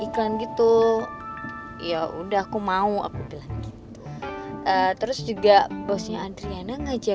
hadiah kalo nilainya bagus